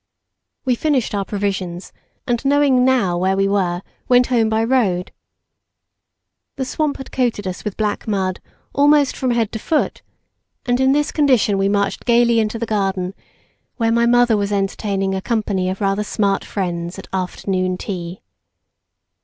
We finished our provisions, and knowing now where we were, went home by road. The swamp had coated us with black mud almost from head to foot, and in this condition we marched gaily into the garden where my mother was entertaining a company of rather smart friends at afternoon tea.